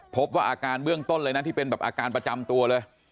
พบว่าอาการเบื้องต้นเลยนะที่เป็นแบบอาการประจำตัวเลย